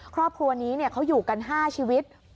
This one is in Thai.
ครอบครัวนี้เขาอยู่กัน๕ชีวิต